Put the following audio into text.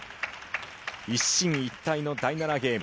一進一退の第７ゲーム。